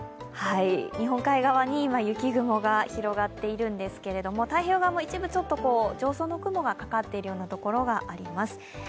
日本海側に今、雪雲が広がっているんですけれども、太平洋側も上層の雲がかかってるようなところがあります。